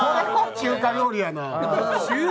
中華料理やな。